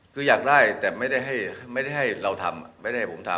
คืออยากได้แต่ไม่ได้ให้เราทำไม่ได้ให้ผมทำ